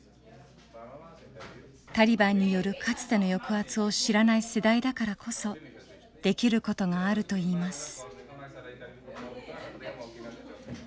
タリバンによるかつての抑圧を知らない世代だからこそできることがあるといいます。